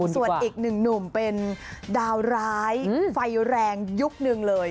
ส่วนอีกหนึ่งหนุ่มเป็นดาวร้ายไฟแรงยุคหนึ่งเลย